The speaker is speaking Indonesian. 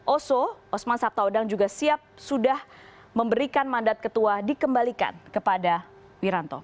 oso osman sabtaodang juga siap sudah memberikan mandat ketua dikembalikan kepada wiranto